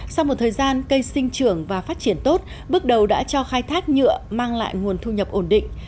sau một thời gian cây sinh trưởng và phát triển tốt bước đầu đã cho khai thác nhựa mang lại nguồn thu nhập ổn định